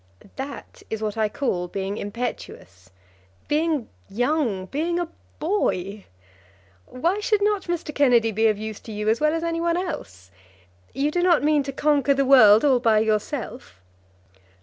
"That is what I call being impetuous, being young, being a boy. Why should not Mr. Kennedy be of use to you as well as any one else? You do not mean to conquer the world all by yourself."